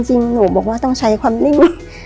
จริงหนูบอกว่าต้องใช้ความนิ่ง